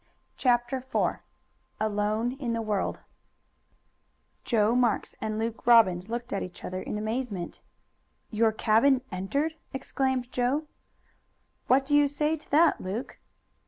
CHAPTER IV ALONE IN THE WORLD Joe Marks and Luke Robbins looked at each other in amazement. "Your cabin entered!" exclaimed Joe. "What do you say to that, Luke?"